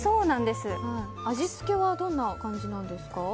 味付けはどんな感じなんですか？